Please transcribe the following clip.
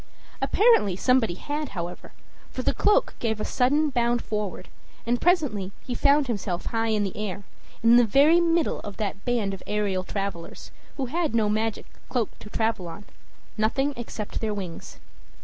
Apparently somebody had, however; for the cloak gave a sudden bound forward, and presently he found himself high in the air, in the very middle of that band of aerial travelers, who had mo magic cloak to travel on nothing except their wings.